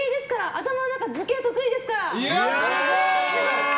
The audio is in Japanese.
頭の中図形、得意ですから。